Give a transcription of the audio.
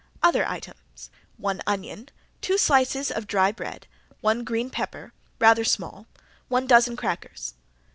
Other items one onion, two slices of dry bread, one green pepper, rather small, one dozen crackers.